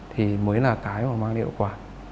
thì mới là cái mà mang hiệu quả